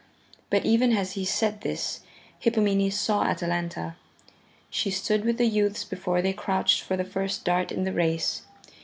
But even as he said this, Hippomenes saw Atalanta. She stood with the youths before they crouched for the first dart in the race.